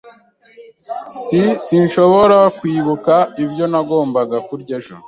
S Sinshobora kwibuka ibyo nagombaga kurya ejo.